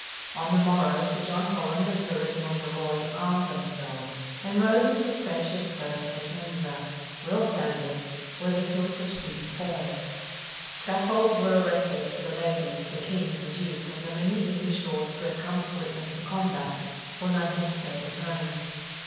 On the morrow Sir John Holland and Sir Reginald de Roye armed themselves, and rode into a spacious close in Entenga, well sanded, where the tilts were to be performed. Scaffolds were erected for the ladies, the king, the duke, and the many EngHsh lords who had come to witness the combat; for none had stayed at home.